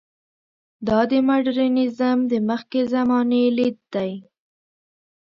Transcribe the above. دا د مډرنیزم د مخکې زمانې لید دی.